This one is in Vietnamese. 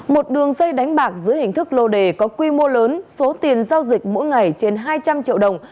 một đường dây đánh bạc dưới hình thức lô đề có quy mô lớn số tiền giao dịch mỗi ngày trên hai trăm linh triệu đồng